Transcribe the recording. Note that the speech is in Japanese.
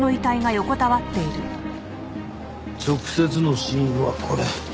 直接の死因はこれ。